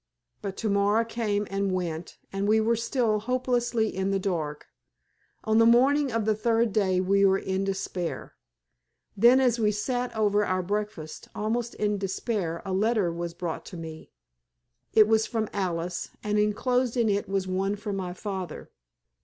But to morrow came and went, and we were still hopelessly in the dark. On the morning of the third day we were in despair. Then, as we sat over our breakfast, almost in despair, a letter was brought to me. It was from Alice, and enclosed in it was one from my father.